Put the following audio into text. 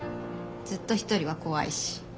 ずっと一人は怖いし。